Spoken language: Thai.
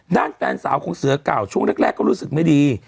ด้านแฟนสาวของเสือเก่าช่วงแรกก็รู้สึกไม่ดี